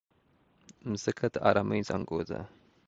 مځکه د ارامۍ زانګو ده.